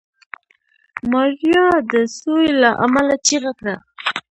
ماريا د سوي له امله چيغه کړه.